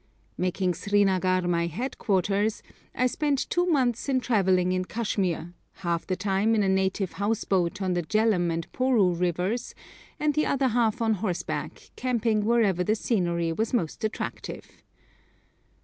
Making Srinagar my headquarters, I spent two months in travelling in Kashmir, half the time in a native house boat on the Jhelum and Pohru rivers, and the other half on horseback, camping wherever the scenery was most attractive.